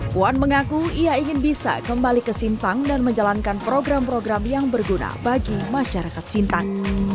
puan mengaku ia ingin bisa kembali ke sintang dan menjalankan program program yang berguna bagi masyarakat sintang